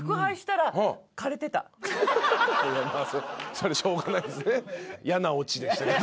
それしょうがないですね。